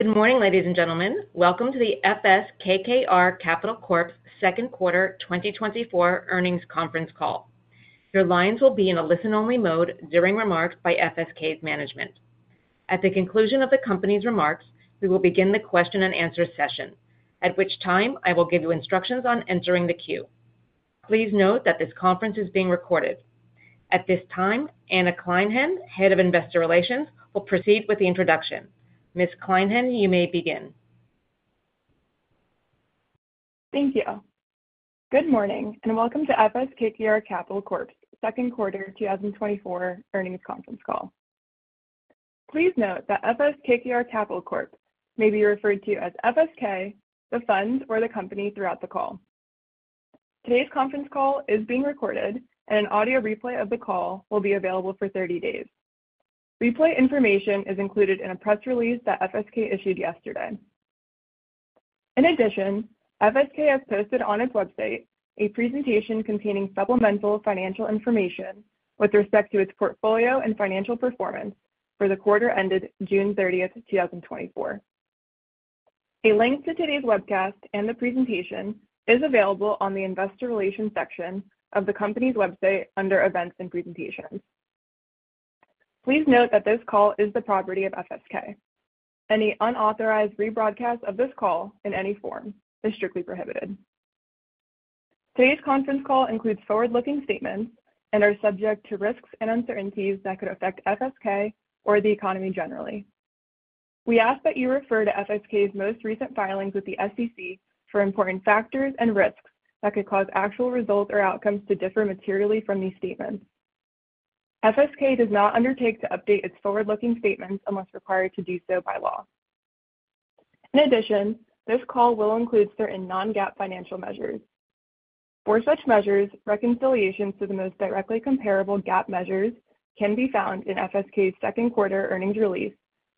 Good morning, ladies and gentlemen. Welcome to the FS KKR Capital Corp.'s second quarter 2024 earnings conference call. Your lines will be in a listen-only mode during remarks by FSK's management. At the conclusion of the company's remarks, we will begin the question-and-answer session, at which time I will give you instructions on entering the queue. Please note that this conference is being recorded. At this time, Anna Kleinhenn, Head of Investor Relations, will proceed with the introduction. Ms. Kleinhenn, you may begin. Thank you. Good morning, and welcome to FS KKR Capital Corp.'s second quarter 2024 earnings conference call. Please note that FS KKR Capital Corp. may be referred to as FSK, the fund or the company throughout the call. Today's conference call is being recorded, and an audio replay of the call will be available for 30 days. Replay information is included in a press release that FSK issued yesterday. In addition, FSK has posted on its website a presentation containing supplemental financial information with respect to its portfolio and financial performance for the quarter ended June 30, 2024. A link to today's webcast and the presentation is available on the Investor Relations section of the company's website under Events and Presentations. Please note that this call is the property of FSK. Any unauthorized rebroadcast of this call in any form is strictly prohibited. Today's conference call includes forward-looking statements and are subject to risks and uncertainties that could affect FSK or the economy generally. We ask that you refer to FSK's most recent filings with the SEC for important factors and risks that could cause actual results or outcomes to differ materially from these statements. FSK does not undertake to update its forward-looking statements unless required to do so by law. In addition, this call will include certain non-GAAP financial measures. For such measures, reconciliations to the most directly comparable GAAP measures can be found in FSK's second quarter earnings release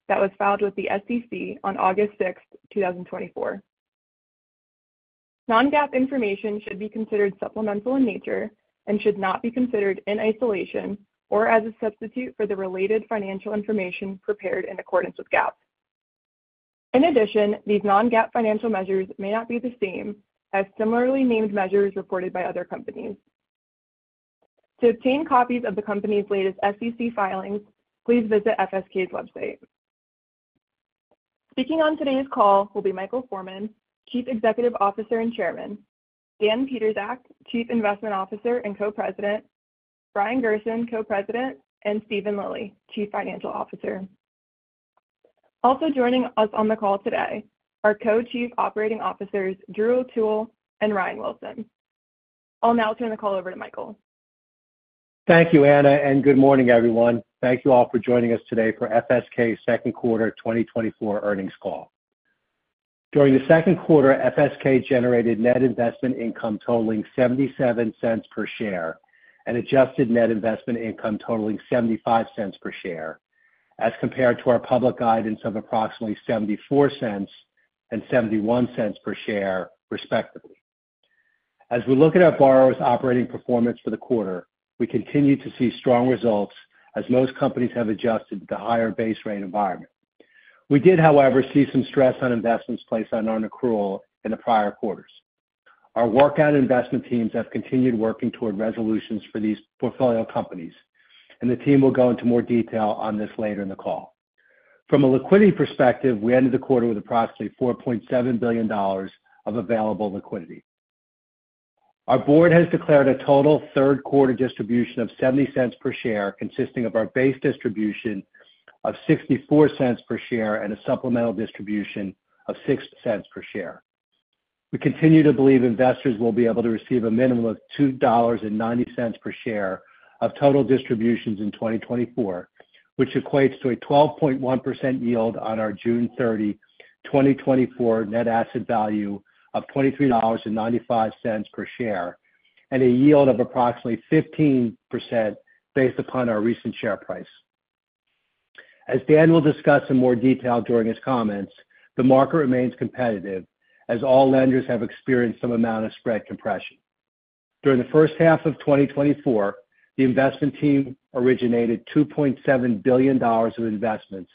that was filed with the SEC on August 6, 2024. Non-GAAP information should be considered supplemental in nature and should not be considered in isolation or as a substitute for the related financial information prepared in accordance with GAAP. In addition, these non-GAAP financial measures may not be the same as similarly named measures reported by other companies. To obtain copies of the company's latest SEC filings, please visit FSK's website. Speaking on today's call will be Michael Forman, Chief Executive Officer and Chairman; Dan Pietrzak, Chief Investment Officer and Co-President; Brian Gerson, Co-President; and Steven Lilly, Chief Financial Officer. Also joining us on the call today are Co-Chief Operating Officers Drew O'Toole and Ryan Wilson. I'll now turn the call over to Michael. Thank you, Anna, and good morning, everyone. Thank you all for joining us today for FSK's second quarter 2024 earnings call. During the second quarter, FSK generated net investment income totaling $0.77 per share and adjusted net investment income totaling $0.75 per share, as compared to our public guidance of approximately $0.74 and $0.71 per share, respectively. As we look at our borrowers' operating performance for the quarter, we continue to see strong results as most companies have adjusted to the higher base rate environment. We did, however, see some stress on investments placed on nonaccrual in the prior quarters. Our workout investment teams have continued working toward resolutions for these portfolio companies, and the team will go into more detail on this later in the call. From a liquidity perspective, we ended the quarter with approximately $4.7 billion of available liquidity. Our board has declared a total third quarter distribution of $0.70 per share, consisting of our base distribution of $0.64 per share and a supplemental distribution of $0.06 per share. We continue to believe investors will be able to receive a minimum of $2.90 per share of total distributions in 2024, which equates to a 12.1% yield on our June 30, 2024 net asset value of $23.95 per share, and a yield of approximately 15% based upon our recent share price. As Dan will discuss in more detail during his comments, the market remains competitive as all lenders have experienced some amount of spread compression. During the first half of 2024, the investment team originated $2.7 billion of investments,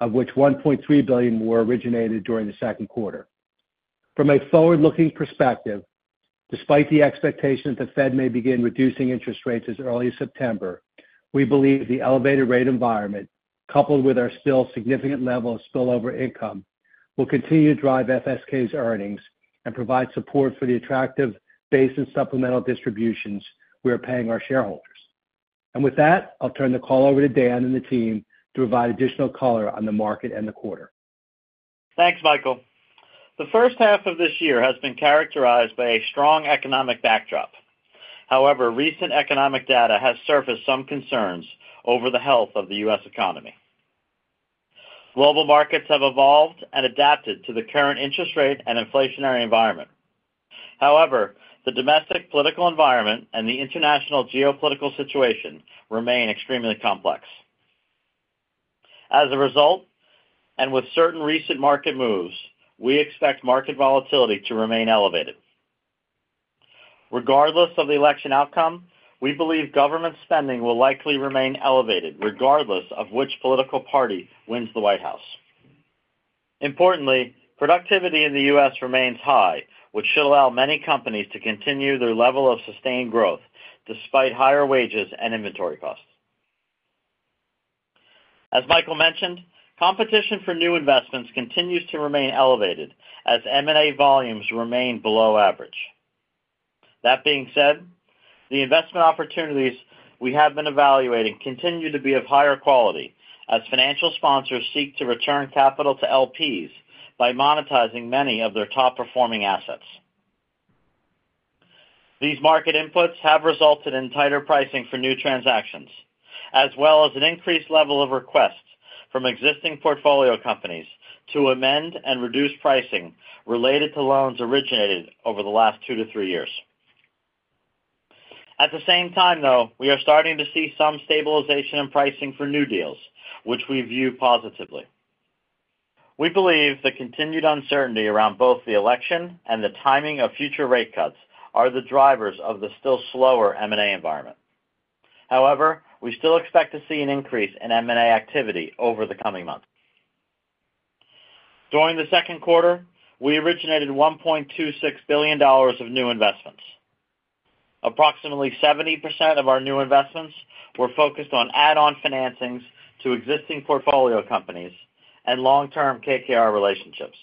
of which $1.3 billion were originated during the second quarter. From a forward-looking perspective, despite the expectation that the Fed may begin reducing interest rates as early as September, we believe the elevated rate environment, coupled with our still significant level of spillover income, will continue to drive FSK's earnings and provide support for the attractive base and supplemental distributions we are paying our shareholders. And with that, I'll turn the call over to Dan and the team to provide additional color on the market and the quarter. Thanks, Michael. The first half of this year has been characterized by a strong economic backdrop. However, recent economic data has surfaced some concerns over the health of the US economy. Global markets have evolved and adapted to the current interest rate and inflationary environment. However, the domestic political environment and the international geopolitical situation remain extremely complex. As a result, and with certain recent market moves, we expect market volatility to remain elevated. Regardless of the election outcome, we believe government spending will likely remain elevated, regardless of which political party wins the White House. Importantly, productivity in the US remains high, which should allow many companies to continue their level of sustained growth, despite higher wages and inventory costs. As Michael mentioned, competition for new investments continues to remain elevated as M&A volumes remain below average. That being said, the investment opportunities we have been evaluating continue to be of higher quality as financial sponsors seek to return capital to LPs by monetizing many of their top-performing assets. These market inputs have resulted in tighter pricing for new transactions, as well as an increased level of requests from existing portfolio companies to amend and reduce pricing related to loans originated over the last two to three years. At the same time, though, we are starting to see some stabilization in pricing for new deals, which we view positively. We believe the continued uncertainty around both the election and the timing of future rate cuts are the drivers of the still slower M&A environment. However, we still expect to see an increase in M&A activity over the coming months. During the second quarter, we originated $1.26 billion of new investments. Approximately 70% of our new investments were focused on add-on financings to existing portfolio companies and long-term KKR relationships.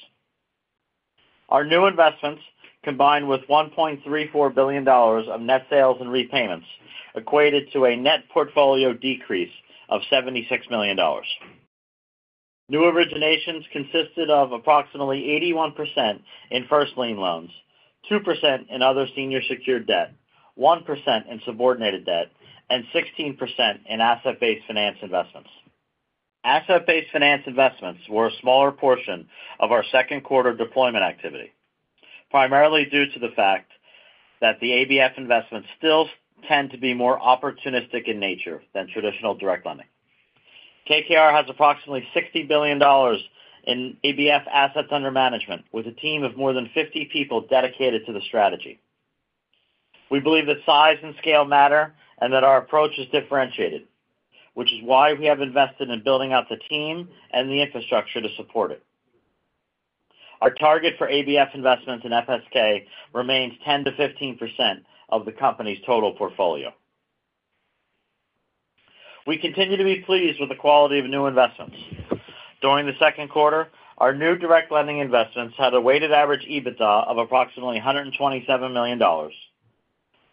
Our new investments, combined with $1.34 billion of net sales and repayments, equated to a net portfolio decrease of $76 million. New originations consisted of approximately 81% in first lien loans, 2% in other senior secured debt, 1% in subordinated debt, and 16% in asset-based finance investments. Asset-based finance investments were a smaller portion of our second quarter deployment activity, primarily due to the fact that the ABF investments still tend to be more opportunistic in nature than traditional direct lending. KKR has approximately $60 billion in ABF assets under management, with a team of more than 50 people dedicated to the strategy. We believe that size and scale matter and that our approach is differentiated, which is why we have invested in building out the team and the infrastructure to support it. Our target for ABF investments in FSK remains 10%-15% of the company's total portfolio. We continue to be pleased with the quality of new investments. During the second quarter, our new direct lending investments had a weighted average EBITDA of approximately $127 million,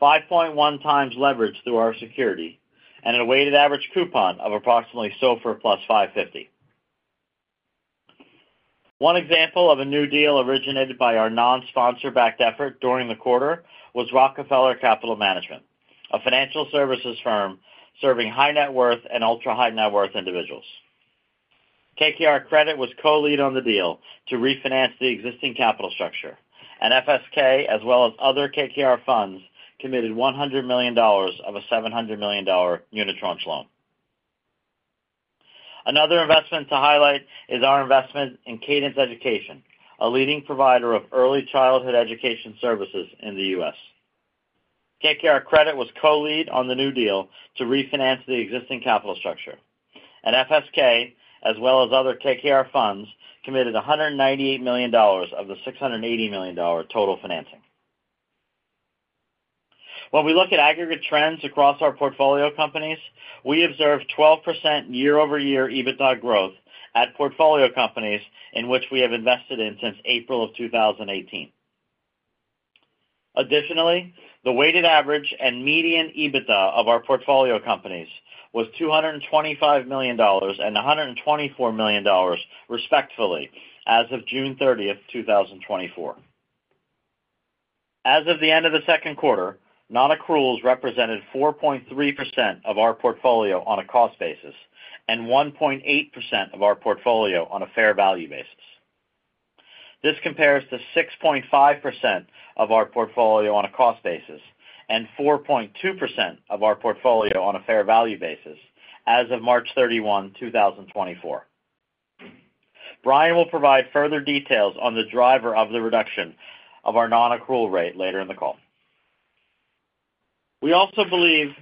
5.1x leverage through our security, and a weighted average coupon of approximately SOFR + 550. One example of a new deal originated by our non-sponsor-backed effort during the quarter was Rockefeller Capital Management, a financial services firm serving high-net-worth and ultra-high-net-worth individuals. KKR Credit was co-lead on the deal to refinance the existing capital structure, and FSK, as well as other KKR funds, committed $100 million of a $700 million unitranche loan. Another investment to highlight is our investment in Cadence Education, a leading provider of early childhood education services in the US. KKR Credit was co-lead on the new deal to refinance the existing capital structure, and FSK, as well as other KKR funds, committed $198 million of the $680 million total financing. When we look at aggregate trends across our portfolio companies, we observe 12% year-over-year EBITDA growth at portfolio companies in which we have invested in since April 2018. Additionally, the weighted average and median EBITDA of our portfolio companies was $225 million and $124 million, respecfully, as of June 30, 2024. As of the end of the second quarter, nonaccruals represented 4.3% of our portfolio on a cost basis and 1.8% of our portfolio on a fair value basis. This compares to 6.5% of our portfolio on a cost basis and 4.2% of our portfolio on a fair value basis as of March 31, 2024. Brian will provide further details on the driver of the reduction of our nonaccrual rate later in the call. We also believe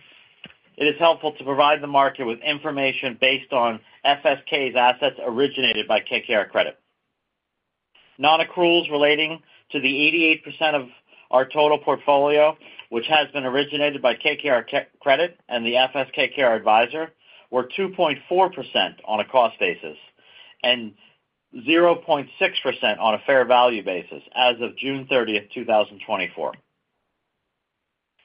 it is helpful to provide the market with information based on FSK's assets originated by KKR Credit. Nonaccruals relating to the 88% of our total portfolio, which has been originated by KKR Credit and the FS/KKR Advisor, were 2.4% on a cost basis and 0.6% on a fair value basis as of June 30, 2024.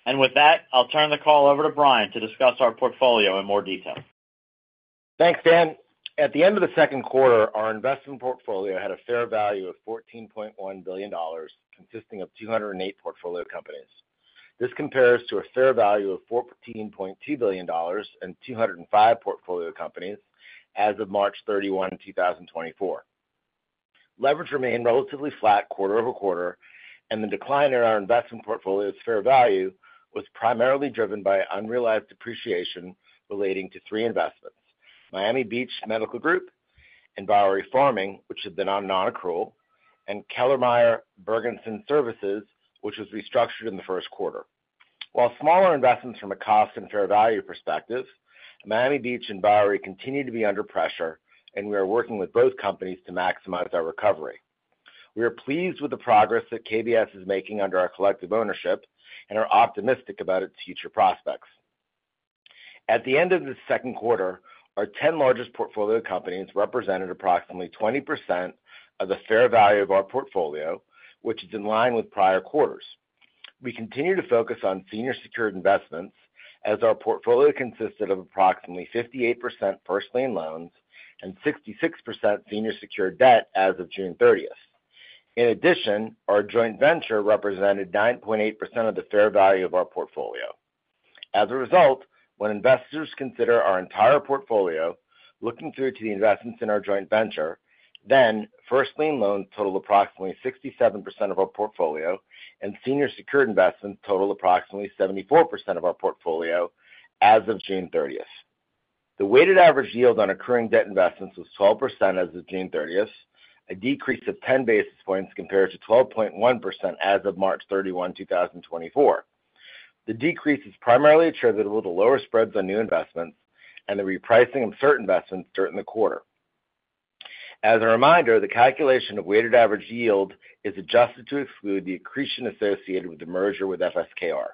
With that, I'll turn the call over to Brian to discuss our portfolio in more detail. Thanks, Dan. At the end of the second quarter, our investment portfolio had a fair value of $14.1 billion, consisting of 208 portfolio companies. This compares to a fair value of $14.2 billion and 205 portfolio companies as of March 31, 2024. Leverage remained relatively flat quarter-over-quarter, and the decline in our investment portfolio's fair value was primarily driven by unrealized depreciation relating to three investments: Miami Beach Medical Group, and Bowery Farming, which had been on nonaccrual, and Kellermeyer Bergensons Services, which was restructured in the first quarter. While smaller investments from a cost and fair value perspective, Miami Beach and Bowery continue to be under pressure, and we are working with both companies to maximize our recovery. We are pleased with the progress that KBS is making under our collective ownership and are optimistic about its future prospects. At the end of the second quarter, our 10 largest portfolio companies represented approximately 20% of the fair value of our portfolio, which is in line with prior quarters. We continue to focus on senior secured investments, as our portfolio consisted of approximately 58% first lien loans and 66% senior secured debt as of June 30. In addition, our joint venture represented 9.8% of the fair value of our portfolio. As a result, when investors consider our entire portfolio, looking through to the investments in our joint venture, then first lien loans total approximately 67% of our portfolio, and senior secured investments total approximately 74% of our portfolio as of June 30th. The weighted average yield on accruing debt investments was 12% as of June 30th, a decrease of 10 basis points compared to 12.1% as of March 31, 2024. The decrease is primarily attributable to lower spreads on new investments and the repricing of certain investments during the quarter. As a reminder, the calculation of weighted average yield is adjusted to exclude the accretion associated with the merger with FSKR.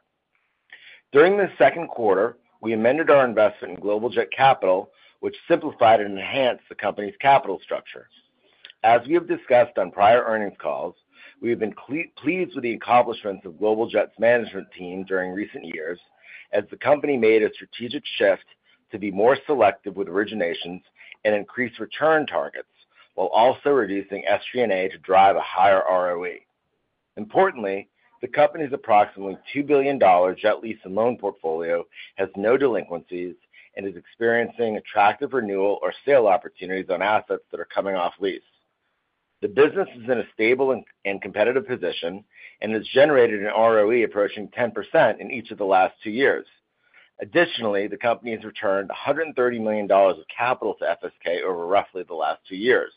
During the second quarter, we amended our investment in Global Jet Capital, which simplified and enhanced the company's capital structure. As we have discussed on prior earnings calls, we have been pleased with the accomplishments of Global Jet's management team during recent years, as the company made a strategic shift to be more selective with originations and increase return targets, while also reducing SG&A to drive a higher ROE. Importantly, the company's approximately $2 billion jet lease and loan portfolio has no delinquencies and is experiencing attractive renewal or sale opportunities on assets that are coming off lease. The business is in a stable and competitive position and has generated an ROE approaching 10% in each of the last two years. Additionally, the company has returned $130 million of capital to FSK over roughly the last two years.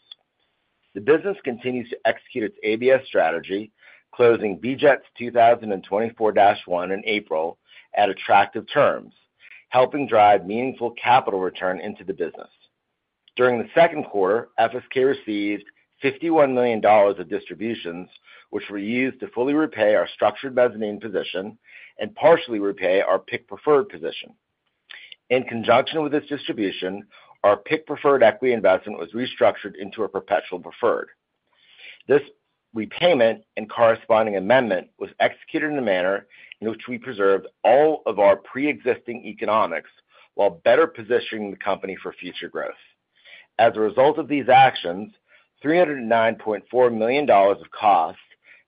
The business continues to execute its ABS strategy, closing BJETS 2024-1 in April at attractive terms, helping drive meaningful capital return into the business. During the second quarter, FSK received $51 million of distributions, which were used to fully repay our structured mezzanine position and partially repay our PIK preferred position. In conjunction with this distribution, our PIK preferred equity investment was restructured into a perpetual preferred. This repayment and corresponding amendment was executed in a manner in which we preserved all of our pre-existing economics while better positioning the company for future growth. As a result of these actions, $309.4 million of cost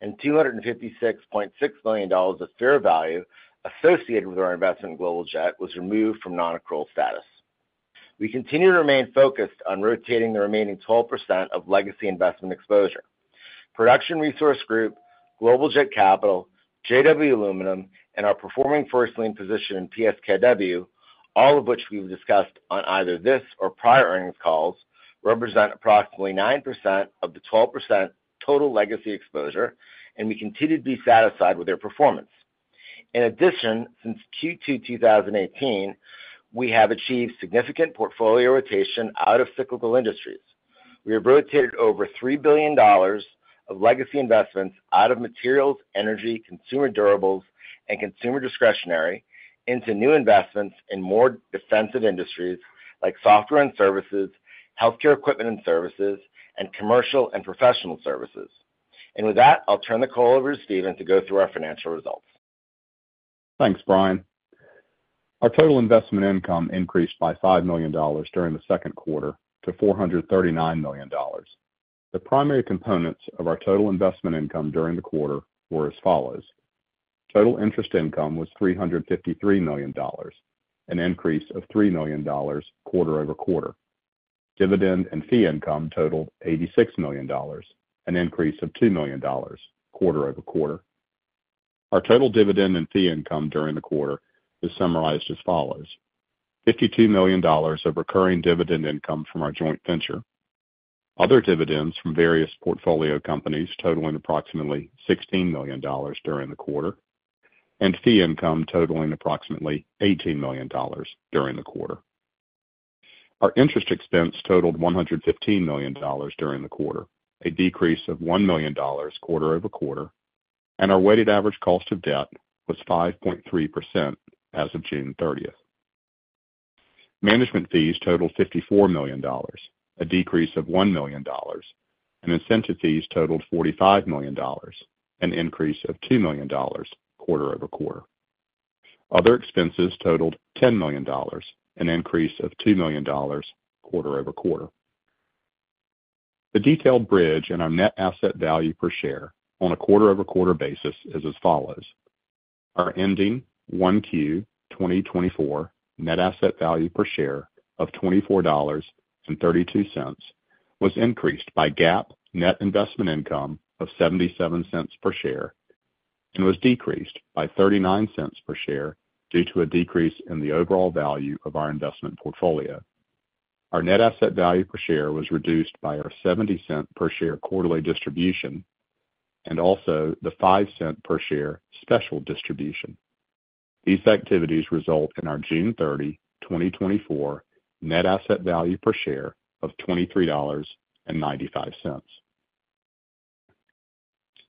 and $256.6 million of fair value associated with our investment in Global Jet Capital was removed from nonaccrual status. We continue to remain focused on rotating the remaining 12% of legacy investment exposure. Production Resource Group, Global Jet Capital, JW Aluminum, and our performing first lien position in PSKW, all of which we've discussed on either this or prior earnings calls, represent approximately 9% of the 12% total legacy exposure, and we continue to be satisfied with their performance. In addition, since Q2 2018, we have achieved significant portfolio rotation out of cyclical industries. We have rotated over $3 billion of legacy investments out of materials, energy, consumer durables, and consumer discretionary into new investments in more defensive industries, like software and services, healthcare equipment and services, and commercial and professional services. With that, I'll turn the call over to Steven to go through our financial results. Thanks, Brian. Our total investment income increased by $5 million during the second quarter to $439 million. The primary components of our total investment income during the quarter were as follows: Total interest income was $353 million, an increase of $3 million quarter-over-quarter. Dividend and fee income totaled $86 million, an increase of $2 million quarter-over-quarter. Our total dividend and fee income during the quarter is summarized as follows: $52 million of recurring dividend income from our joint venture, other dividends from various portfolio companies totaling approximately $16 million during the quarter, and fee income totaling approximately $18 million during the quarter. Our interest expense totaled $115 million during the quarter, a decrease of $1 million quarter-over-quarter, and our weighted average cost of debt was 5.3% as of June 30th. Management fees totaled $54 million, a decrease of $1 million, and incentive fees totaled $45 million, an increase of $2 million quarter-over-quarter. Other expenses totaled $10 million, an increase of $2 million quarter-over-quarter. The detailed bridge in our net asset value per share on a quarter-over-quarter basis is as follows: Our ending 1Q 2024 net asset value per share of $24.32 was increased by GAAP net investment income of $0.77 per share and was decreased by $0.39 per share due to a decrease in the overall value of our investment portfolio. Our net asset value per share was reduced by our $0.70 per share quarterly distribution and also the $0.05 per share special distribution. These activities result in our June 30, 2024 net asset value per share of $23.95.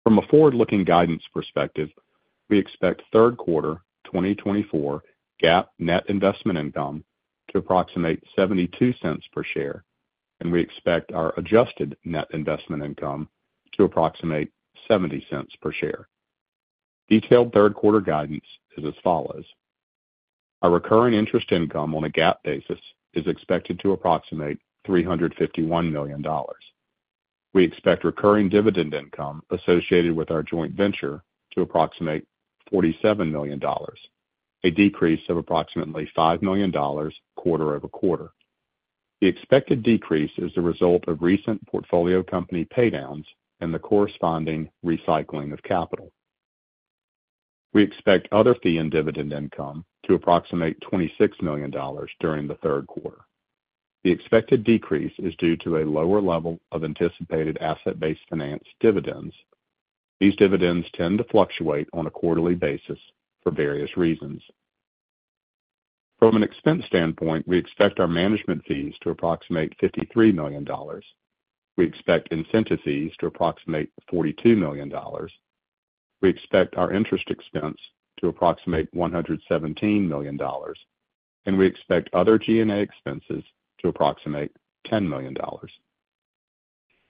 From a forward-looking guidance perspective, we expect third quarter 2024 GAAP net investment income to approximate $0.72 per share, and we expect our adjusted net investment income to approximate $0.70 per share. Detailed third quarter guidance is as follows: Our recurring interest income on a GAAP basis is expected to approximate $351 million. We expect recurring dividend income associated with our joint venture to approximate $47 million, a decrease of approximately $5 million quarter-over-quarter. The expected decrease is the result of recent portfolio company paydowns and the corresponding recycling of capital. We expect other fee and dividend income to approximate $26 million during the third quarter. The expected decrease is due to a lower level of anticipated asset-based finance dividends. These dividends tend to fluctuate on a quarterly basis for various reasons. From an expense standpoint, we expect our management fees to approximate $53 million. We expect incentive fees to approximate $42 million. We expect our interest expense to approximate $117 million, and we expect other G&A expenses to approximate $10 million.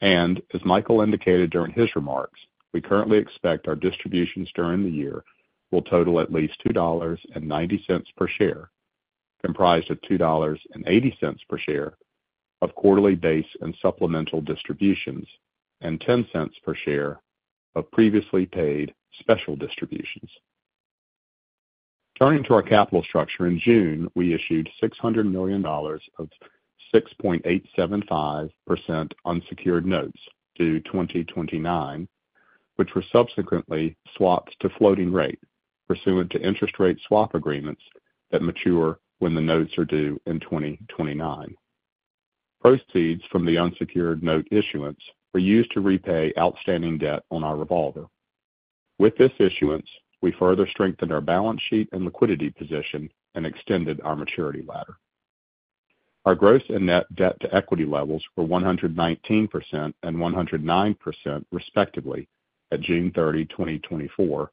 As Michael indicated during his remarks, we currently expect our distributions during the year will total at least $2.90 per share, comprised of $2.80 per share of quarterly base and supplemental distributions, and $0.10 per share of previously paid special distributions. Turning to our capital structure, in June, we issued $600 million of 6.875% unsecured notes due 2029, which were subsequently swapped to floating rate pursuant to interest rate swap agreements that mature when the notes are due in 2029. Proceeds from the unsecured note issuance were used to repay outstanding debt on our revolver. With this issuance, we further strengthened our balance sheet and liquidity position and extended our maturity ladder. Our gross and net debt to equity levels were 119% and 109%, respectively, at June 30, 2024,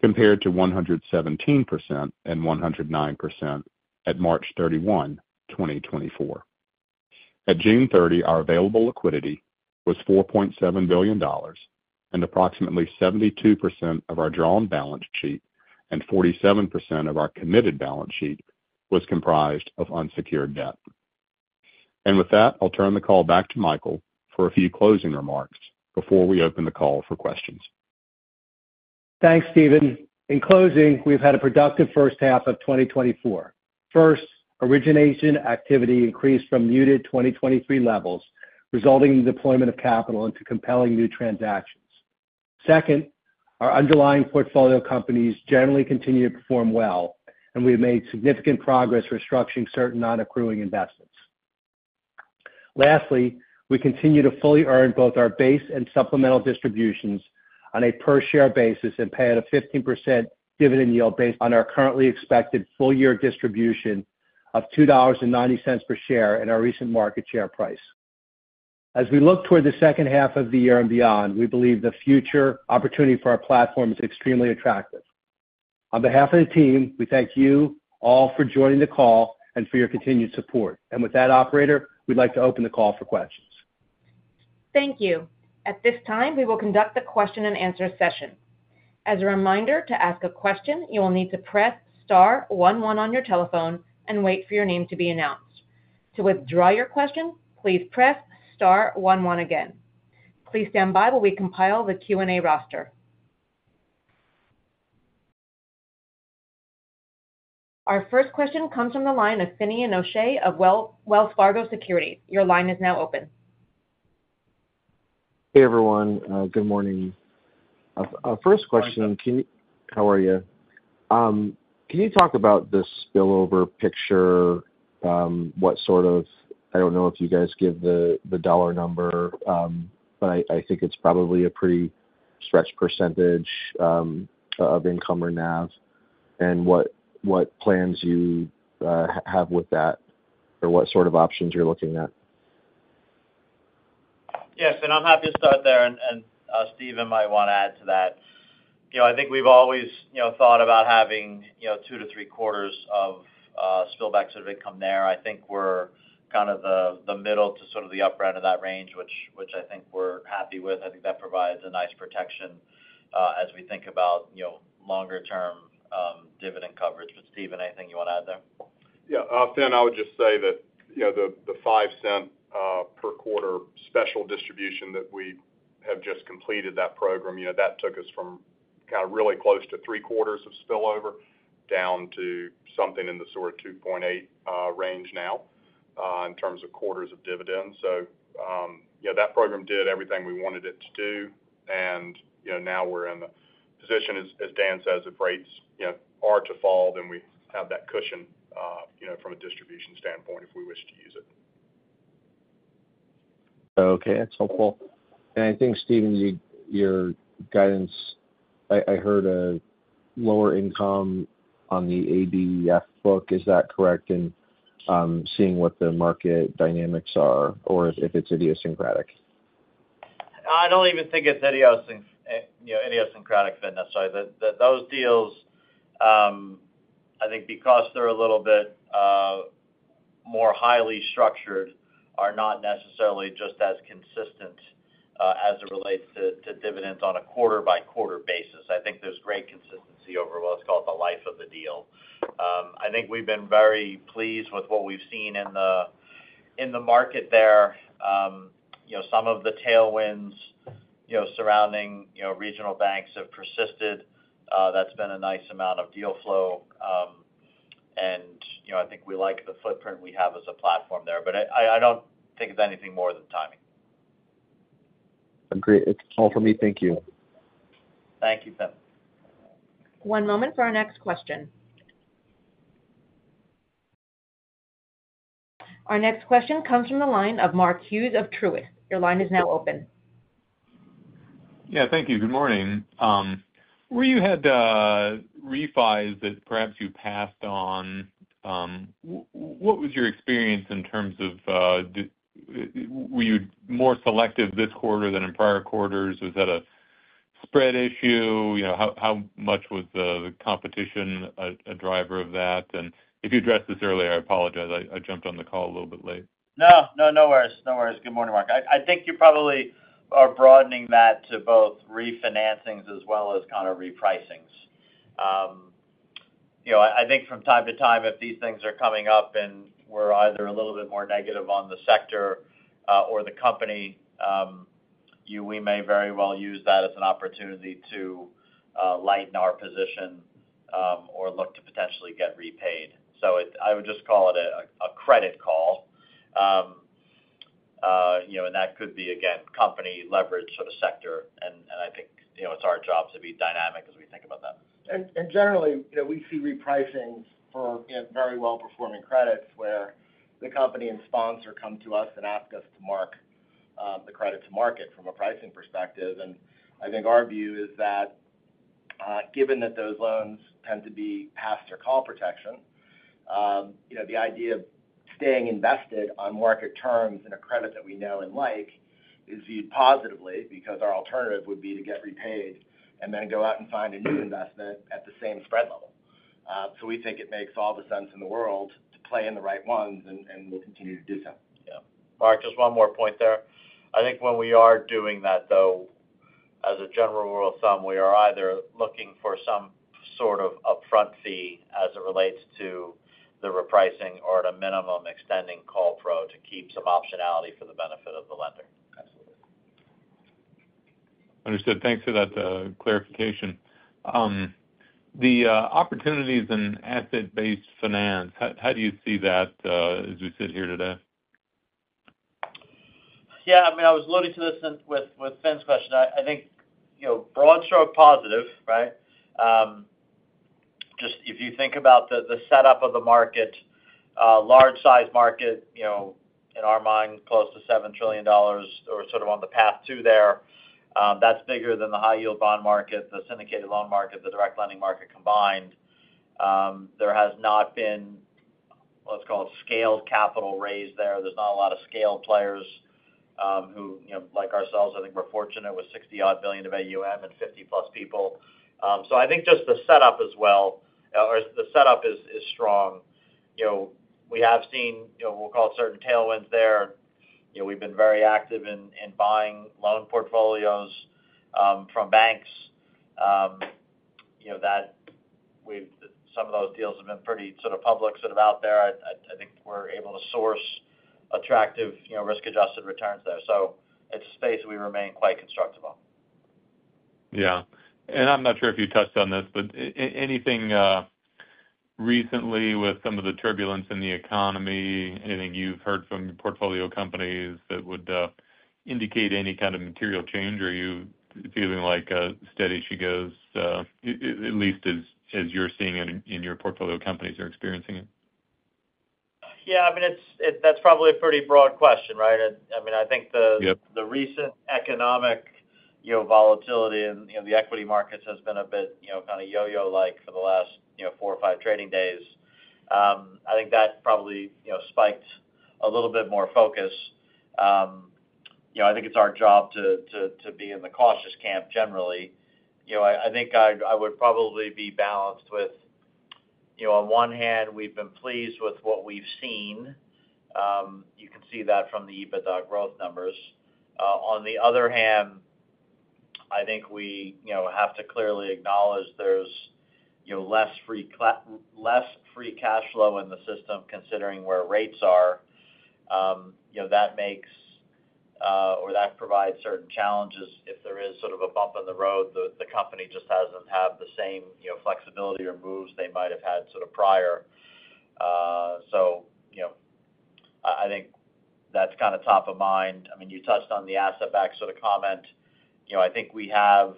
compared to 117% and 109% at March 31, 2024. At June 30, our available liquidity was $4.7 billion, and approximately 72% of our drawn balance sheet and 47% of our committed balance sheet was comprised of unsecured debt. With that, I'll turn the call back to Michael for a few closing remarks before we open the call for questions. Thanks, Steven. In closing, we've had a productive first half of 2024. First, origination activity increased from muted 2023 levels, resulting in the deployment of capital into compelling new transactions. Second, our underlying portfolio companies generally continue to perform well, and we have made significant progress restructuring certain non-accruing investments. Lastly, we continue to fully earn both our base and supplemental distributions on a per share basis and pay out a 15% dividend yield based on our currently expected full year distribution of $2.90 per share in our recent market share price. As we look toward the second half of the year and beyond, we believe the future opportunity for our platform is extremely attractive. On behalf of the team, we thank you all for joining the call and for your continued support. With that, operator, we'd like to open the call for questions. Thank you. At this time, we will conduct the question-and-answer session. As a reminder, to ask a question, you will need to press star one one on your telephone and wait for your name to be announced. To withdraw your question, please press star one one again. Please stand by while we compile the Q&A roster. Our first question comes from the line of Finian O'Shea of Wells Fargo Securities. Your line is now open. Hey, everyone, good morning. First question, can you talk about the spillover picture? What sort of, I don't know if you guys give the dollar number, but I think it's probably a pretty stretched percentage of income on NAV, and what plans you have with that, or what sort of options you're looking at? Yes, and I'm happy to start there, and, and, Steven might want to add to that. You know, I think we've always, you know, thought about having, you know, two to three quarters of spillover sort of income there. I think we're kind of the, the middle to sort of the upper end of that range, which, which I think we're happy with. I think that provides a nice protection, as we think about, you know, longer term dividend coverage. But Steven, anything you want to add there? Yeah. Finn, I would just say that, you know, the $0.05 per quarter special distribution that we have just completed that program, you know, that took us from kind of really close to three quarters of spillover down to something in the sort of 2.8 range now in terms of quarters of dividends. So, you know, that program did everything we wanted it to do, and, you know, now we're in the position, as Dan says, if rates, you know, are to fall, then we have that cushion, you know, from a distribution standpoint, if we wish to use it. Okay, that's helpful. And I think, Steven, your guidance, I heard a lower income on the ABF book. Is that correct? And, seeing what the market dynamics are or if it's idiosyncratic? I don't even think it's idiosyncratic, Finn, necessarily. That those deals, I think because they're a little bit more highly structured, are not necessarily just as consistent as it relates to dividends on a quarter-by-quarter basis. I think there's great consistency over what's called the life of the deal. I think we've been very pleased with what we've seen in the market there. You know, some of the tailwinds, you know, surrounding, you know, regional banks have persisted. That's been a nice amount of deal flow. And, you know, I think we like the footprint we have as a platform there, but I don't think it's anything more than timing. Great. It's all for me. Thank you. Thank you, Finn. One moment for our next question. Our next question comes from the line of Mark Hughes of Truist. Your line is now open. Yeah, thank you. Good morning. Where you had [reprice] that perhaps you passed on, what was your experience in terms of were you more selective this quarter than in prior quarters? Was that a spread issue? You know, how much was the competition a driver of that? And if you addressed this earlier, I apologize. I jumped on the call a little bit late. No, no, no worries. No worries. Good morning, Mark. I think you probably are broadening that to both refinancings as well as kind of repricings. You know, I think from time to time, if these things are coming up and we're either a little bit more negative on the sector, or the company, we may very well use that as an opportunity to lighten our position, or look to potentially get repaid. So it... I would just call it a credit call. You know, and that could be, again, company leverage sort of sector, and, and I think, you know, it's our job to be dynamic as we think about that. And generally, you know, we see repricings for, you know, very well-performing credits, where the company and sponsor come to us and ask us to mark the credit to market from a pricing perspective. And I think our view is that, given that those loans tend to be past or call protection, you know, the idea of staying invested on market terms in a credit that we know and like, is viewed positively because our alternative would be to get repaid and then go out and find a new investment at the same spread level. So we think it makes all the sense in the world to play in the right ones, and we'll continue to do so. Yeah. Mark, just one more point there. I think when we are doing that, though, as a general rule of thumb, we are either looking for some sort of upfront fee as it relates to the repricing or at a minimum, extending call protection to keep some optionality for the benefit of the lender. Absolutely. Understood. Thanks for that, clarification. The opportunities in asset-based finance, how do you see that, as we sit here today? Yeah, I mean, I was alluding to this with Finian's question. I think, you know, broad stroke positive, right? Just if you think about the setup of the market, large-sized market, you know, in our mind, close to $7 trillion or sort of on the path to there, that's bigger than the high yield bond market, the syndicated loan market, the direct lending market combined. There has not been, what's called, scaled capital raised there. There's not a lot of scaled players, who, you know, like ourselves, I think we're fortunate with $60-odd billion of AUM and 50+ people. So I think just the setup as well, or the setup is strong. You know, we have seen, you know, we'll call it certain tailwinds there. You know, we've been very active in buying loan portfolios from banks. You know, some of those deals have been pretty sort of public, sort of out there. I think we're able to source attractive, you know, risk-adjusted returns there. So it's a space we remain quite constructive on. Yeah. I'm not sure if you touched on this, but anything recently with some of the turbulence in the economy, anything you've heard from your portfolio companies that would indicate any kind of material change, or are you feeling like steady she goes, at least as you're seeing it in your portfolio companies are experiencing it? Yeah, I mean, that's probably a pretty broad question, right? I mean, I think the- Yep The recent economic, you know, volatility in, you know, the equity markets has been a bit, you know, kind of yo-yo-like for the last, you know, four or five trading days. I think that probably, you know, spiked a little bit more focus. You know, I think it's our job to be in the cautious camp generally. You know, I think I would probably be balanced with, you know, on one hand, we've been pleased with what we've seen. You can see that from the EBITDA growth numbers. On the other hand, I think we, you know, have to clearly acknowledge there's, you know, less free cash flow in the system, considering where rates are. You know, that makes-or that provides certain challenges if there is sort of a bump in the road, the company just doesn't have the same, you know, flexibility or moves they might have had sort of prior. So, you know, I think that's kind of top of mind. I mean, you touched on the asset-backed sort of comment. You know, I think we have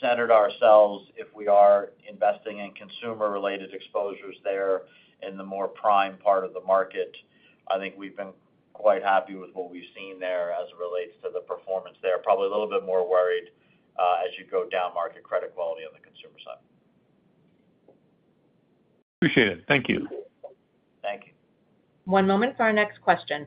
centered ourselves if we are investing in consumer-related exposures there in the more prime part of the market. I think we've been quite happy with what we've seen there as it relates to the performance there. Probably a little bit more worried as you go down market credit quality on the consumer side. Appreciate it. Thank you. Thank you. One moment for our next question.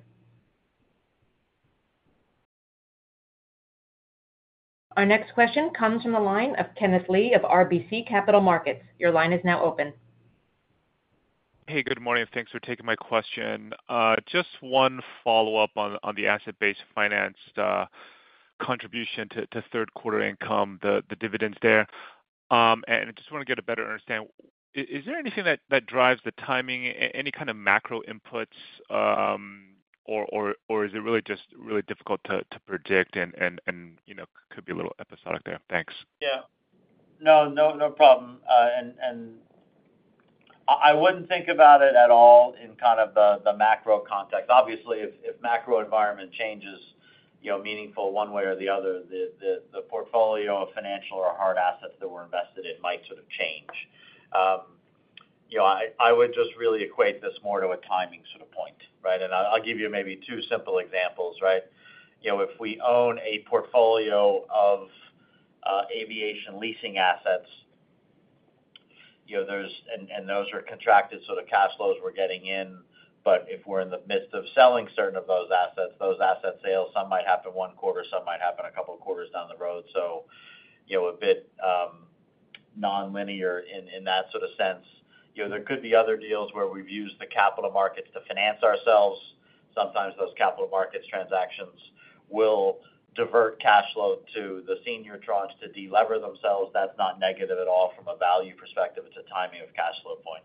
Our next question comes from the line of Kenneth Lee of RBC Capital Markets. Your line is now open. Hey, good morning, and thanks for taking my question. Just one follow-up on the asset-based finance contribution to third quarter income, the dividends there. And I just want to get a better understanding. Is there anything that drives the timing, any kind of macro inputs, or is it really just really difficult to predict and, you know, could be a little episodic there? Thanks. Yeah. No, no, no problem. And I wouldn't think about it at all in kind of the macro context. Obviously, if macro environment changes, you know, meaningful one way or the other, the portfolio of financial or hard assets that we're invested in might sort of change. You know, I would just really equate this more to a timing sort of point, right? And I'll give you maybe two simple examples, right? You know, if we own a portfolio of aviation leasing assets, you know, there's and those are contracted, so the cash flows we're getting in, but if we're in the midst of selling certain of those assets, those asset sales, some might happen one quarter, some might happen a couple of quarters down the road. So, you know, a bit nonlinear in that sort of sense. You know, there could be other deals where we've used the capital markets to finance ourselves. Sometimes those capital markets transactions will divert cash flow to the senior tranches to de-lever themselves. That's not negative at all from a value perspective. It's a timing of cash flow point.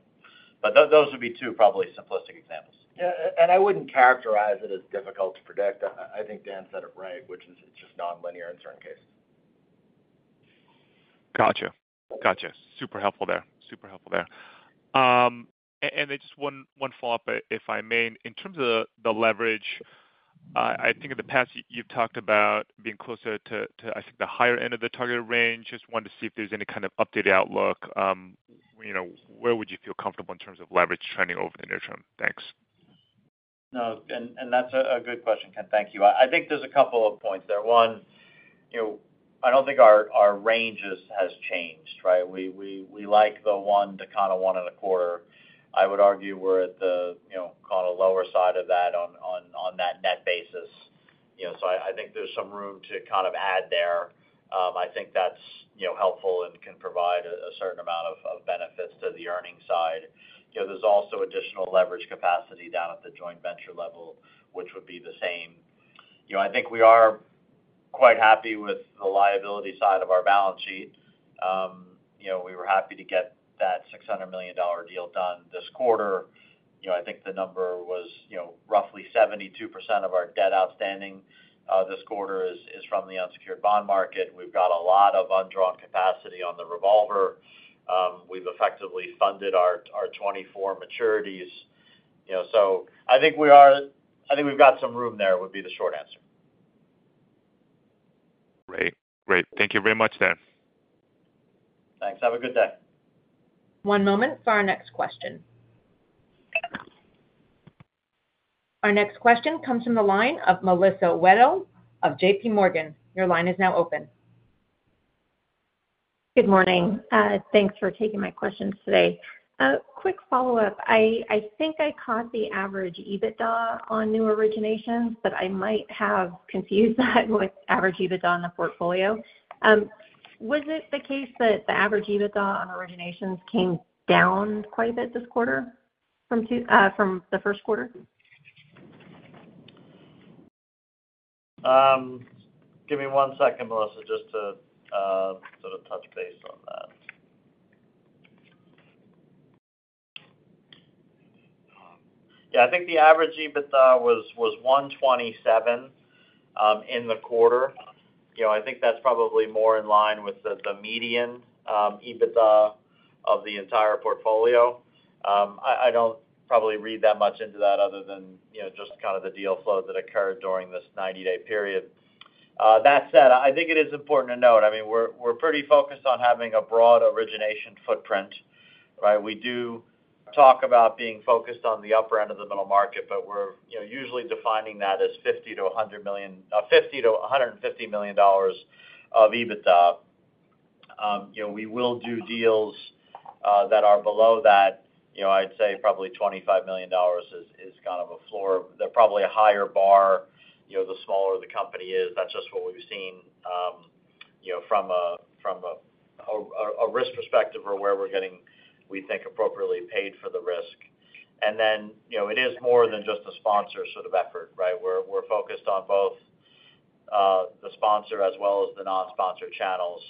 But those would be two probably simplistic examples. Yeah, and I wouldn't characterize it as difficult to predict. I think Dan said it right, which is it's just nonlinear in certain cases. Gotcha. Gotcha. Super helpful there. Super helpful there. And then just one, one follow-up, if I may. In terms of the, the leverage, I think in the past, you've talked about being closer to, to, I think, the higher end of the target range. Just wanted to see if there's any kind of updated outlook. You know, where would you feel comfortable in terms of leverage trending over the near term? Thanks. No, and that's a good question, Ken. Thank you. I think there's a couple of points there. One, you know, I don't think our range has changed, right? We like the one to kind of 1.25. I would argue we're at the, you know, kind of lower side of that on that net basis, you know. So I think there's some room to kind of add there. I think that's, you know, helpful and can provide a certain amount of benefits to the earnings side. You know, there's also additional leverage capacity down at the joint venture level, which would be the same. You know, I think we are quite happy with the liability side of our balance sheet. You know, we were happy to get that $600 million deal done this quarter. You know, I think the number was, you know, roughly 72% of our debt outstanding this quarter is, is from the unsecured bond market. We've got a lot of undrawn capacity on the revolver. We've effectively funded our 2024 maturities, you know, so I think we are. I think we've got some room there, would be the short answer. Great. Great. Thank you very much, Dan. Thanks. Have a good day. One moment for our next question. Our next question comes from the line of Melissa Wedel of JPMorgan. Your line is now open. Good morning. Thanks for taking my questions today. Quick follow-up. I think I caught the average EBITDA on new originations, but I might have confused that with average EBITDA on the portfolio. Was it the case that the average EBITDA on originations came down quite a bit this quarter from two, from the first quarter? Give me one second, Melissa, just to sort of touch base on that. Yeah, I think the average EBITDA was $127 million in the quarter. You know, I think that's probably more in line with the median EBITDA of the entire portfolio. I don't probably read that much into that other than, you know, just kind of the deal flow that occurred during this 90-day period. That said, I think it is important to note, I mean, we're pretty focused on having a broad origination footprint, right? We do talk about being focused on the upper end of the middle market, but we're, you know, usually defining that as $50million-$100 million, $50million-$150 million dollars of EBITDA. You know, we will do deals that are below that. You know, I'd say probably $25 million is, is kind of a floor. They're probably a higher bar, you know, the smaller the company is. That's just what we've seen, you know, from a, from a, a, a risk perspective or where we're getting, we think, appropriately paid for the risk. And then, you know, it is more than just a sponsor sort of effort, right? We're, we're focused on both, the sponsor as well as the non-sponsor channels.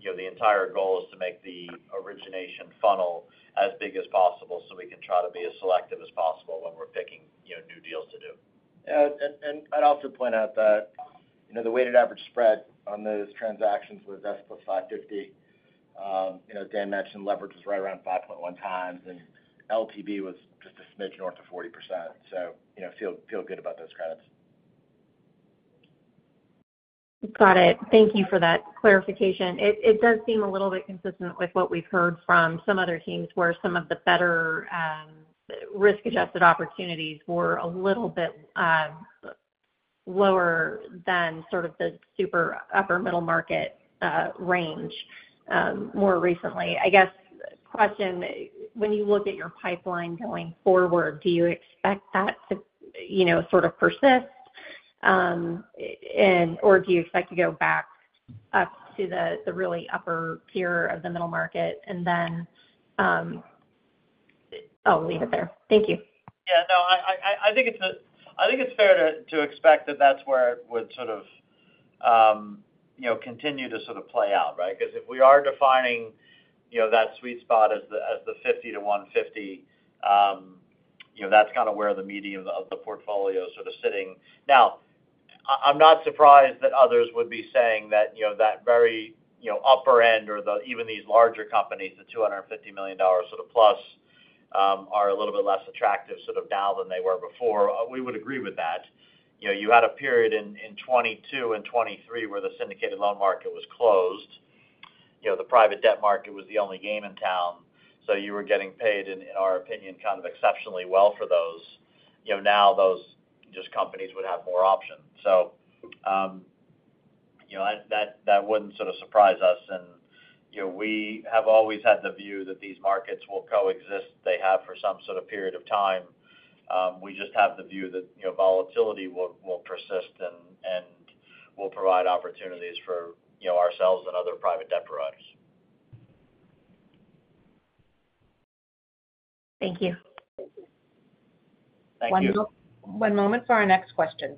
You know, the entire goal is to make the origination funnel as big as possible so we can try to be as selective as possible when we're picking, you know, new deals to do. Yeah, and I'd also point out that, you know, the weighted average spread on those transactions was S+ 550. You know, Dan mentioned leverage was right around 5.1x, and LTV was just a smidge north of 40%. So, you know, feel, feel good about those credits. Got it. Thank you for that clarification. It does seem a little bit consistent with what we've heard from some other teams, where some of the better risk-adjusted opportunities were a little bit lower than sort of the super upper middle market range more recently. I guess, question, when you look at your pipeline going forward, do you expect that to, you know, sort of persist? And or do you expect to go back up to the really upper tier of the middle market and then I'll leave it there. Thank you. Yeah, no, I think it's fair to expect that that's where it would sort of, you know, continue to sort of play out, right? Because if we are defining, you know, that sweet spot as the 50-150, you know, that's kind of where the median of the portfolio is sort of sitting. Now, I'm not surprised that others would be saying that, you know, that very upper end or even these larger companies, the $250 million sort of plus, are a little bit less attractive sort of now than they were before. We would agree with that. You know, you had a period in 2022 and 2023 where the syndicated loan market was closed. You know, the private debt market was the only game in town, so you were getting paid, in our opinion, kind of exceptionally well for those. You know, now those just companies would have more options. So, you know, that wouldn't sort of surprise us. You know, we have always had the view that these markets will coexist. They have for some sort of period of time. We just have the view that, you know, volatility will persist and will provide opportunities for, you know, ourselves and other private debt providers. Thank you. Thank you. One moment for our next question.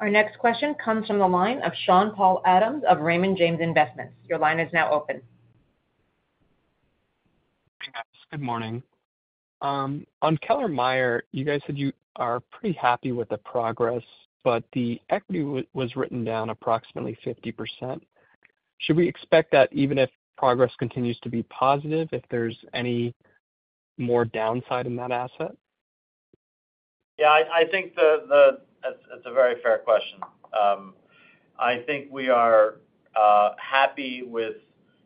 Our next question comes from the line of Sean-Paul Adams of Raymond James Investment. Your line is now open. Hey, guys. Good morning. On Kellermeyer, you guys said you are pretty happy with the progress, but the equity was written down approximately 50%. Should we expect that even if progress continues to be positive, if there's any more downside in that asset? Yeah, that's a very fair question. I think we are happy with,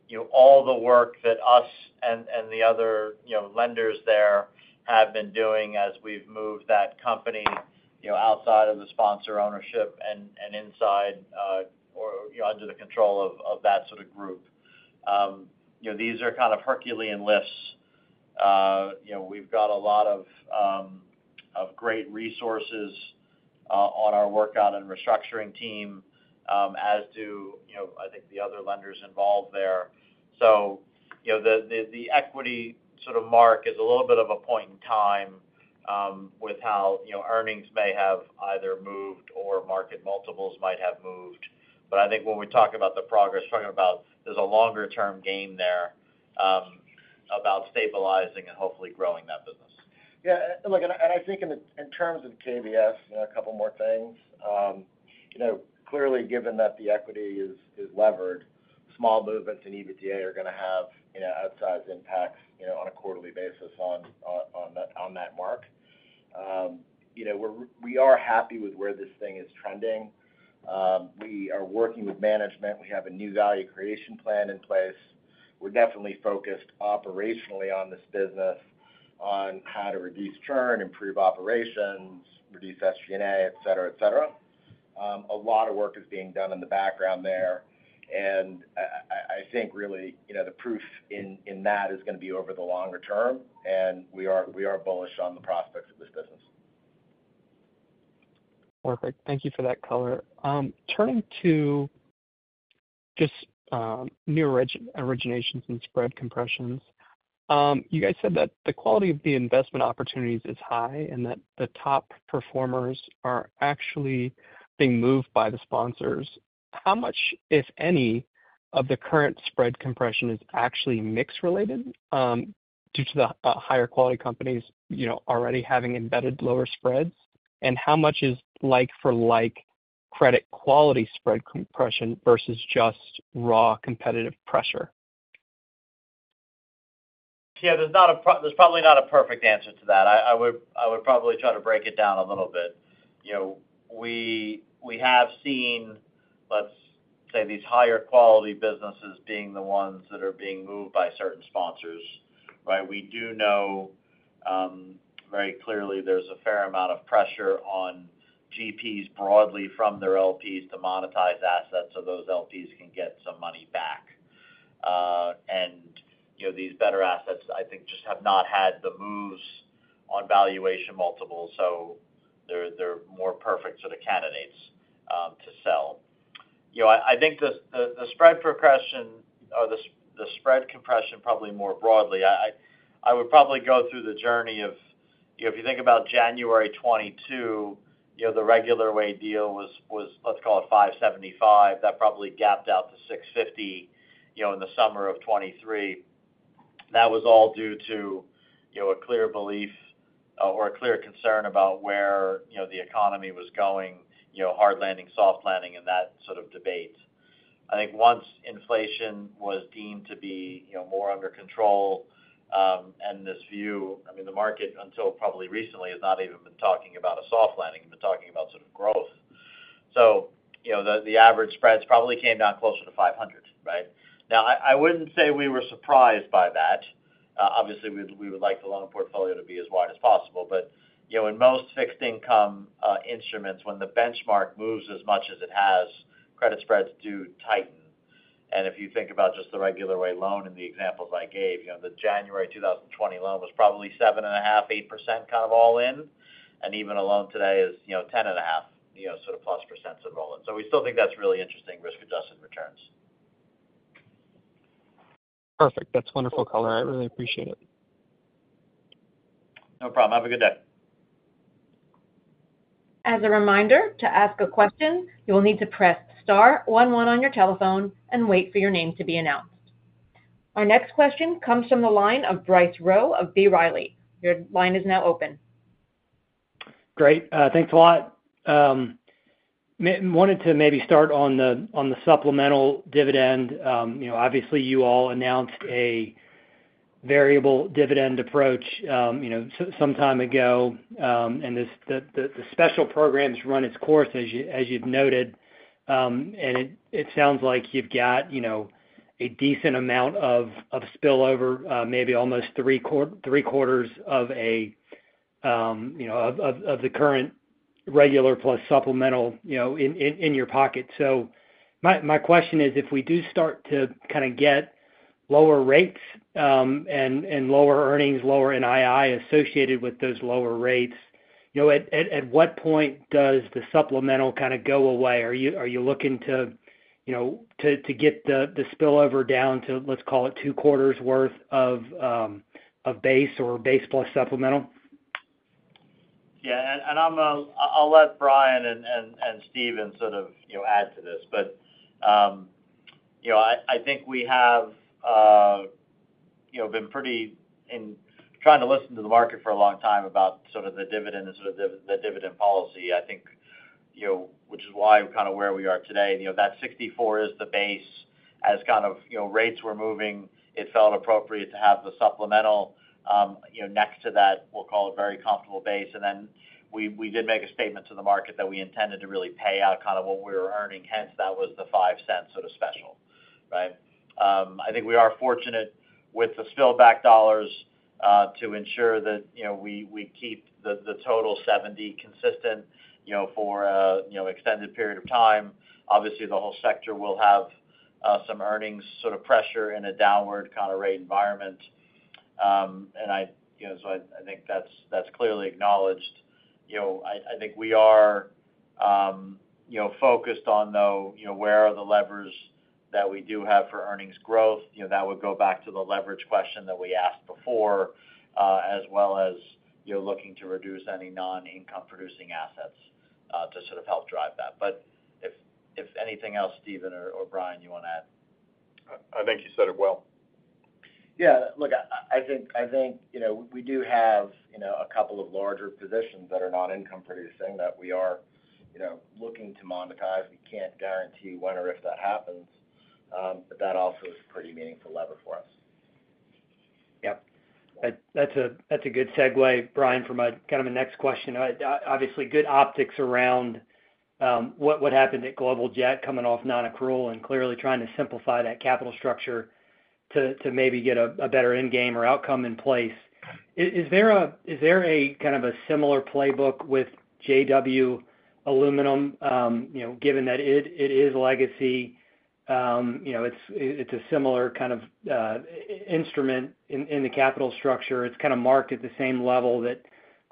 you know, all the work that us and the other, you know, lenders there have been doing as we've moved that company, you know, outside of the sponsor ownership and inside, or, you know, under the control of that sort of group. You know, these are kind of Herculean lifts. You know, we've got a lot of great resources on our workout and restructuring team, as do, you know, I think the other lenders involved there. So, you know, the equity sort of mark is a little bit of a point in time, with how, you know, earnings may have either moved or market multiples might have moved. But I think when we talk about the progress, talking about there's a longer-term gain there, about stabilizing and hopefully growing that business. Yeah, look, and I think in terms of KBS, a couple more things. You know, clearly, given that the equity is levered, small movements in EBITDA are gonna have, you know, outsized impacts, you know, on a quarterly basis on that mark. You know, we are happy with where this thing is trending. We are working with management. We have a new value creation plan in place. We're definitely focused operationally on this business, on how to reduce churn, improve operations, reduce SG&A, et cetera, et cetera. A lot of work is being done in the background there, and I think really, you know, the proof in that is gonna be over the longer term, and we are bullish on the prospects of this business. Perfect. Thank you for that color. Turning to just new originations and spread compressions. You guys said that the quality of the investment opportunities is high and that the top performers are actually being moved by the sponsors. How much, if any, of the current spread compression is actually mix-related due to the higher quality companies, you know, already having embedded lower spreads? And how much is like for like credit quality spread compression versus just raw competitive pressure? Yeah, there's probably not a perfect answer to that. I would probably try to break it down a little bit. You know, we have seen, let's say, these higher quality businesses being the ones that are being moved by certain sponsors, right? We do know very clearly there's a fair amount of pressure on GPs broadly from their LPs to monetize assets so those LPs can get some money back. And, you know, these better assets, I think, just have not had the moves on valuation multiples, so they're more perfect sort of candidates to sell. You know, I think the spread progression or the spread compression probably more broadly, I would probably go through the journey of, you know, if you think about January 2022, you know, the regular way deal was, let's call it 575. That probably gapped out to 650, you know, in the summer of 2023. That was all due to, you know, a clear belief or a clear concern about where, you know, the economy was going, you know, hard landing, soft landing, and that sort of debate. I think once inflation was deemed to be, you know, more under control, and this view, I mean, the market, until probably recently, has not even been talking about a soft landing, but talking about sort of growth. So, you know, the average spreads probably came down closer to 500, right? Now, I wouldn't say we were surprised by that. Obviously, we would like the loan portfolio to be as wide as possible. But, you know, in most fixed income instruments, when the benchmark moves as much as it has, credit spreads do tighten. And if you think about just the regular way loan and the examples I gave, you know, the January 2020 loan was probably 7.5%-8% kind of all-in, and even a loan today is, you know, 10.5%+ sort of all-in. So, we still think that's really interesting risk-adjusted returns. Perfect. That's wonderful color. I really appreciate it. No problem. Have a good day. As a reminder, to ask a question, you will need to press star one one on your telephone and wait for your name to be announced. Our next question comes from the line of Bryce Rowe of B Riley. Your line is now open. Great. Thanks a lot. Wanted to maybe start on the supplemental dividend. You know, obviously, you all announced a variable dividend approach, you know, some time ago. And this, the special program's run its course, as you've noted. And it sounds like you've got, you know, a decent amount of spillover, maybe almost three quarters of a, you know, of the current regular plus supplemental, you know, in your pocket. So my question is, if we do start to kind of get lower rates, and lower earnings, lower NII associated with those lower rates, you know, at what point does the supplemental kind of go away? Are you looking to, you know, to get the spillover down to, let's call it, two quarters worth of base or base plus supplemental? Yeah, and I'm, I'll let Brian and Steven sort of, you know, add to this. But, you know, I think we have, you know, been pretty intent on trying to listen to the market for a long time about sort of the dividend and sort of the dividend policy. I think, you know, which is why we're kind of where we are today. You know, that $0.64 is the base. As kind of, you know, rates were moving, it felt appropriate to have the supplemental, you know, next to that, we'll call it, very comfortable base. And then we did make a statement to the market that we intended to really pay out kind of what we were earning, hence, that was the $0.05 sort of special, right? I think we are fortunate with the spillback dollars, to ensure that, you know, we, we keep the, the total 70 consistent, you know, for a, you know, extended period of time. Obviously, the whole sector will have, some earnings sort of pressure in a downward kind of rate environment. And you know, so I, I think that's, that's clearly acknowledged. You know, I, I think we are, you know, focused on, though, you know, where are the levers that we do have for earnings growth. You know, that would go back to the leverage question that we asked before, as well as, you know, looking to reduce any non-income producing assets, to sort of help drive that. But if, if anything else, Steven or, or Brian, you want to add? I think you said it well. Yeah, look, I, I think, I think, you know, we do have, you know, a couple of larger positions that are not income producing that we are, you know, looking to monetize. We can't guarantee when or if that happens, but that also is a pretty meaningful lever for us. Yep. That's a good segue, Brian, for my next question. Obviously, good optics around what happened at Global Jet coming off nonaccrual and clearly trying to simplify that capital structure to maybe get a better end game or outcome in place. Is there a kind of a similar playbook with JW Aluminum? You know, given that it is legacy, you know, it's a similar kind of instrument in the capital structure. It's kind of marked at the same level that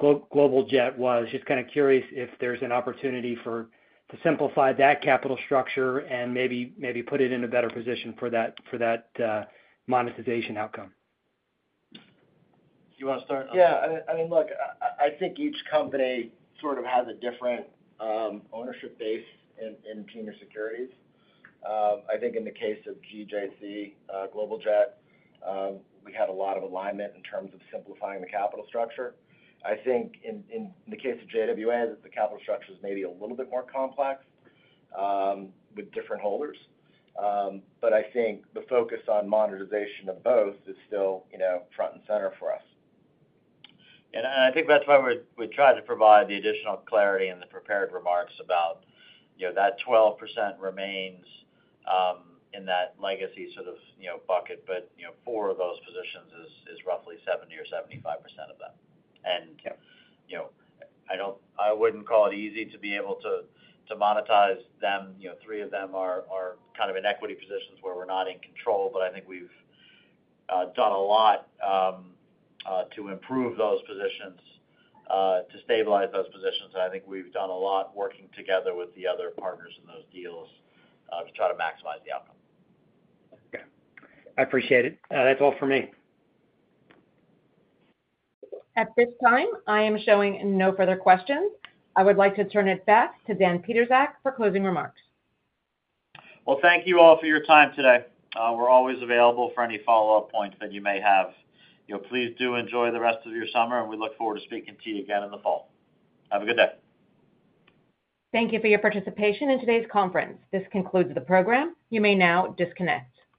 Global Jet was. Just kind of curious if there's an opportunity to simplify that capital structure and maybe put it in a better position for that monetization outcome. You want to start? Yeah, I mean, look, I think each company sort of has a different ownership base in senior securities. I think in the case of GJC, Global Jet, we had a lot of alignment in terms of simplifying the capital structure. I think in the case of JWA, the capital structure is maybe a little bit more complex with different holders. But I think the focus on monetization of both is still, you know, front and center for us. I think that's why we tried to provide the additional clarity in the prepared remarks about, you know, that 12% remains in that legacy sort of, you know, bucket. But, you know, four of those positions is roughly 70% or 75% of them. Yeah. You know, I don't. I wouldn't call it easy to be able to monetize them. You know, three of them are kind of in equity positions where we're not in control, but I think we've done a lot to improve those positions to stabilize those positions. I think we've done a lot working together with the other partners in those deals to try to maximize the outcome. Okay. I appreciate it. That's all for me. At this time, I am showing no further questions. I would like to turn it back to Dan Pietrzak for closing remarks. Well, thank you all for your time today. We're always available for any follow-up points that you may have. You know, please do enjoy the rest of your summer, and we look forward to speaking to you again in the fall. Have a good day. Thank you for your participation in today's conference. This concludes the program. You may now disconnect.